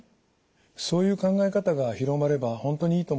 そういう考え方が広まれば本当にいいと思います。